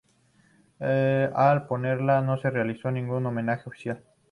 Al ponerla no se realizó ningún homenaje oficial.